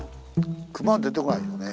熊出てこないよね？